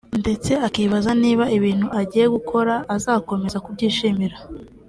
ndetse akibaza niba ibintu agiye gukora azakomeza kubyishimira